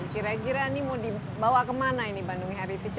kira kira ini mau dibawa kemana ini bandung heritage